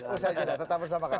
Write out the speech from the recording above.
usaha juga tetap bersama kami